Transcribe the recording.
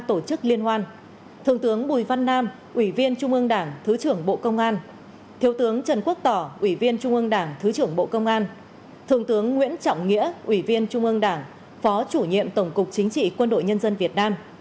tổ chức liên hoan thượng tướng bùi văn nam ủy viên trung ương đảng thứ trưởng bộ công an thiếu tướng trần quốc tỏ ủy viên trung ương đảng thứ trưởng bộ công an thượng tướng nguyễn trọng nghĩa ủy viên trung ương đảng phó chủ nhiệm tổng cục chính trị quân đội nhân dân việt nam